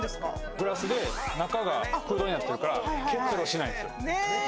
グラスで中が空洞になってるから結露しないんですよ。